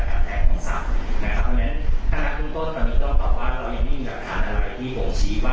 ของการที่มันการทำอะไรจะทำให้ผู้กัดความตัดในระยะเวลาสั้นสั้นแค่เนี้ยนะฮะ